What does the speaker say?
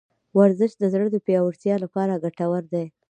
ورزش د زړه د پیاوړتیا لپاره ګټور دی.